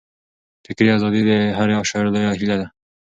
فکري ازادي د هر شاعر لویه هیله ده.